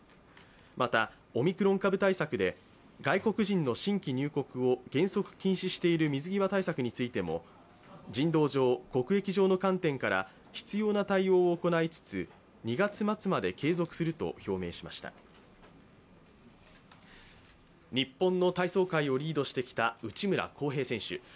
また、オミクロン株対策で外国人の新規入国を原則禁止している水際対策についても人道上、国益上の観点から必要な対応を行いつつ２月末まで継続すると表明しました日本の体操界をリードしてきた内村航平選手。